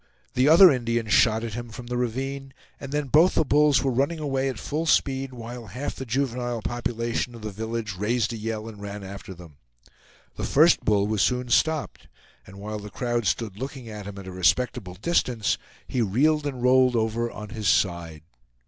The other Indian shot at him from the ravine, and then both the bulls were running away at full speed, while half the juvenile population of the village raised a yell and ran after them. The first bull was soon stopped, and while the crowd stood looking at him at a respectable distance, he reeled and rolled over on his side.